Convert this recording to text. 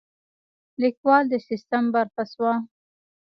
لیکوال د سیستم برخه شوه.